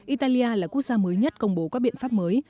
italia là quốc gia mới nhất công bố các biện pháp mới